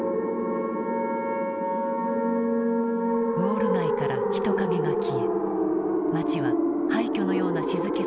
ウォール街から人影が消え街は廃虚のような静けさに包まれた。